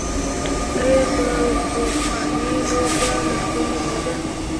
آیا د زورخانې لوبه لرغونې نه ده؟